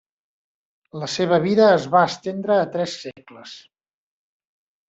La seva vida es va estendre a tres segles.